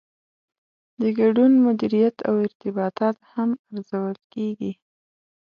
د ګډون مدیریت او ارتباطات هم ارزول کیږي.